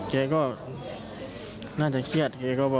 แกก็น่าจะเครียด